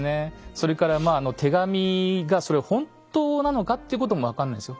それからまあ手紙がそれ本当なのかっていうことも分かんないんですよ。